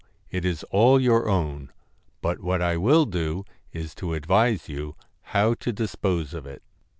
It is all your own; but what I will do is to advise you how to dispose of it.'